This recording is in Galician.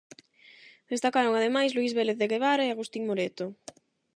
Destacaron, ademais, Luis Vélez de Guevara e Agustín Moreto.